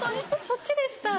「そっちでした」！